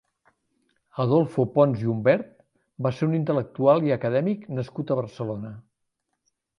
Adolfo Pons i Umbert va ser un intel·lectual i acadèmic nascut a Barcelona.